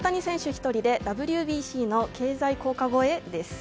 １人でＷＢＣの経済効果超え？です。